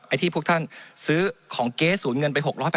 ไอ้ที่พวกท่านซื้อของเกสศูนย์เงินไป